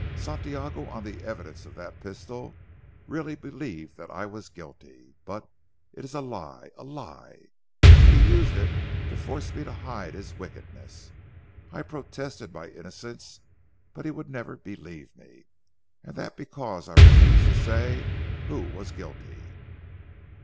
Santiago on the evidence of that pistol really believed that I was guilty. But it is a lie a lie, and he used it to force me to hide his wickedness. I protested my innocence; but he would never believe me. And that because I refused to say who was guilty."